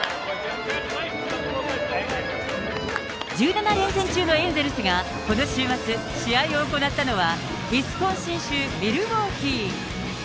１７連戦中のエンゼルスがこの週末、試合を行ったのは、ウィスコンシン州ミルウォーキー。